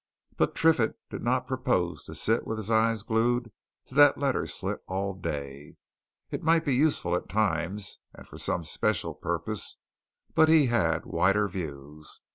But Triffitt did not propose to sit with his eye glued to that letter slit all day it might be useful at times, and for some special purpose, but he had wider views.